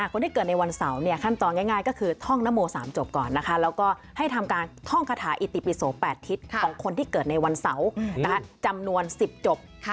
คนที่เกิดในวันเสาร์ขั้นตอนง่ายก็คือท่องนโม๓จบก่อนนะคะแล้วก็ให้ทำการท่องคาถาอิติปิโส๘ทิศของคนที่เกิดในวันเสาร์จำนวน๑๐จบ